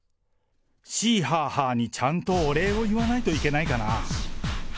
シーハーハーにちゃんとお礼を言わないといけないかな。